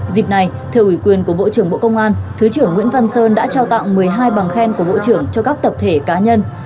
dịp này thưa ủy quyền của bộ trưởng bộ công an thứ trưởng nguyễn văn sơn đã trao tặng một mươi hai bằng khen của bộ trưởng cho các tập thể cá nhân